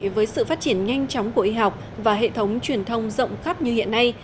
với sự phát triển nhanh chóng của y học và hệ thống truyền thông rộng khắp như hiện nay